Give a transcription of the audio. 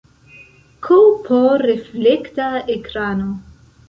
Kp reflekta ekrano.